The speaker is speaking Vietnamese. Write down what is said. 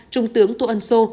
trung tướng tô ân sô